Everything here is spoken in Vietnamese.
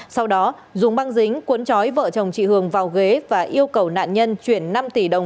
sau đó dùng băng dính cuốn trói vợ chồng chị hường vào ghế và yêu cầu nạn nhân chuyển năm tỷ đồng